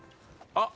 あっ！